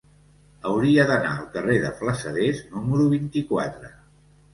Hauria d'anar al carrer de Flassaders número vint-i-quatre.